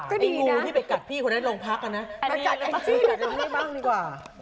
ไอ้งูที่ไปกัดพี่ก็ได้ลงพักนะไปกัดเอ็นจี้ด้วยบ้างดีกว่า